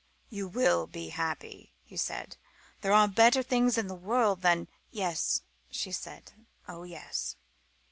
"You will be happy," he said; "there are better things in the world than " "Yes," she said; "oh, yes!"